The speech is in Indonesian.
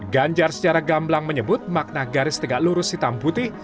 ganjar secara gamblang menyebut makna garis tegak lurus hitam putih